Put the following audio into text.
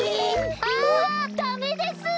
あダメです！